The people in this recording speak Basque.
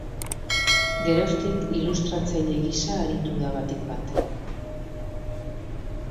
Geroztik, ilustratzaile gisa aritu da batik bat.